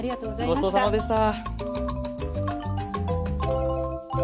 ごちそうさまでした。